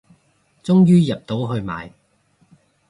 終於入到去買